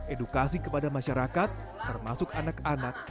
edukasi kepada masyarakat termasuk anak anak